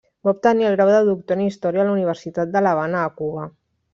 Va obtenir el grau de doctor en Història a la Universitat de l'Havana a Cuba.